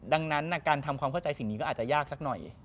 ดังนั้นการทำความเข้าใจสิ่งนี้ก็อาจจะยากสักหน่อย